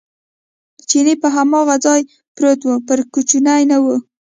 چیني په هماغه ځای پروت و، پر کوچې نه و.